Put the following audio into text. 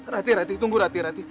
rat rat tunggu rat rat